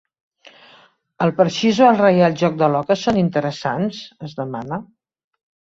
El Parxís o el Reial Joc de l'Oca són interessants? —es demana